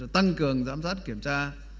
tăng cường giám sát kiểm tra